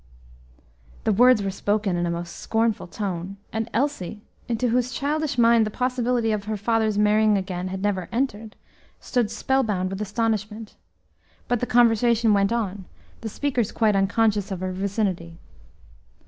The words were spoken in a most scornful tone, and Elsie, into whose childish mind the possibility of her father's marrying again had never entered, stood spellbound with astonishment. But the conversation went on, the speakers quite unconscious of her vicinity.